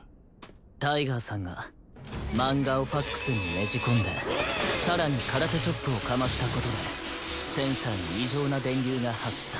タイガーさんが漫画をファックスにねじ込んで更にカラテチョップをかましたことでセンサーに異常な電流が走った。